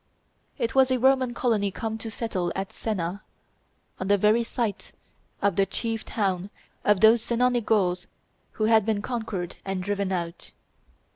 It was a Roman colony come to settle at Sena, on the very site of the chief town of those Senonic Gauls who had been conquered and driven out.